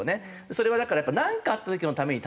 それはだからなんかあった時のためにためる。